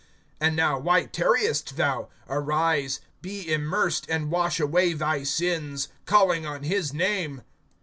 (16)And now why tarriest thou? Arise, be immersed and wash away thy sins, calling on his name.